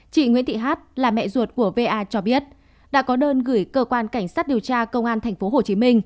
chị nguyễn thị hát là mẹ ruột của va cho biết đã có đơn gửi cơ quan cảnh sát điều tra công an tp hcm